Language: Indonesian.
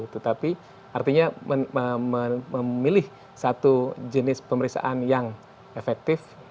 tetapi artinya memilih satu jenis pemeriksaan yang efektif